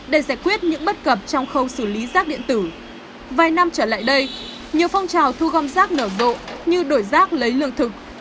để giải quyết những bất cập trong khâu xử lý rác điện tử vài năm trở lại đây nhiều phong trào thu gom rác nở rộ như đổi rác lấy lương thực